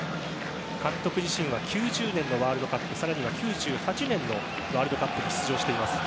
監督自身は９０年ワールドカップ更に９８年のワールドカップに出場しています。